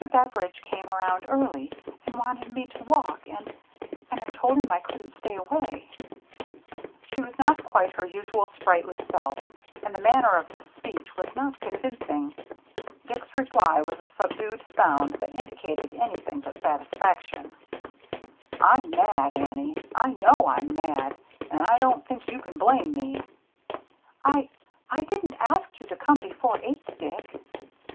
Bever idge came around early, and wanted me to walk, and — and I told him I couldn't stay away —" She was not quite her usual sprightly self; and the manner of this speech was not convinc ing. Dick's reply was a subdued sound that indicated anything but satisfaction. "I'm mad, Annie, — I know I'm mad — and I don't think you can blame me." "I — I didn't ask you to come before eight, Dick."